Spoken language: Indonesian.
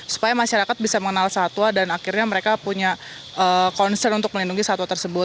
supaya masyarakat bisa mengenal satwa dan akhirnya mereka punya concern untuk melindungi satwa tersebut